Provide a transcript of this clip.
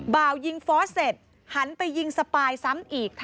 บ่าวยิงฟอสเสร็จหันไปยิงสปายซ้ำอีก